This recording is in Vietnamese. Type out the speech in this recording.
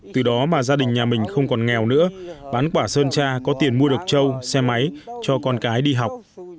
từ đó mà gia đình nhà mình không còn nghèo nữa bán quả sơn cha có tiền mua được trâu xe máy cho con cái đi học